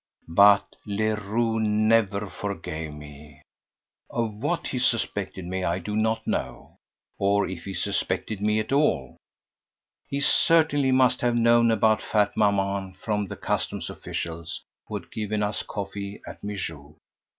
But Leroux never forgave me. Of what he suspected me I do not know, or if he suspected me at all. He certainly must have known about fat Maman from the customs officials who had given us coffee at Mijoux.